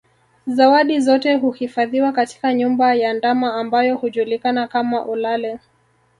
Zawadi zote huhifadhiwa katika nyumba ya ndama ambayo hujulikana kama Olale